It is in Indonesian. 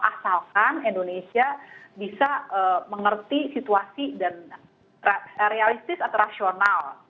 asalkan indonesia bisa mengerti situasi dan realistis atau rasional